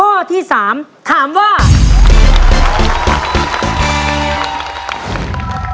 แล้ววันนี้ผมมีสิ่งหนึ่งนะครับเป็นตัวแทนกำลังใจจากผมเล็กน้อยครับ